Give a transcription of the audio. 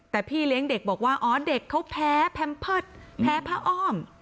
แต่พี่เลี้ยงเด็กบอกว่าอ๋อเด็กเขาแพ้แพมเพิร์ตแพ้ผ้าอ้อม